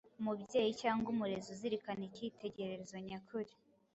Umubyeyi cyangwa umurezi uzirikana icyitegererezo nyakuri